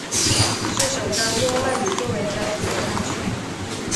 是首张用外语作为标题的单曲。